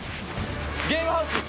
ゲームハウスです。